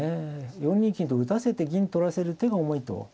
４二金と打たせて銀取らせる手が重いと。